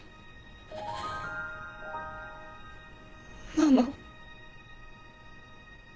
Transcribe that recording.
ママ。